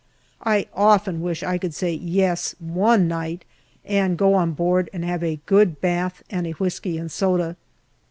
I often wish I could say " Yes " one night, and go on board and have a good bath and a whisky and soda.